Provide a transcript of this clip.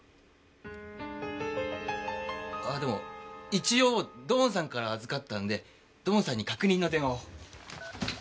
あっでも一応土門さんから預かったんで土門さんに確認の電話を。